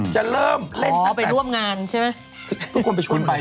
จะเริ่มเล่นออกไปร่วมงานใช่ไหม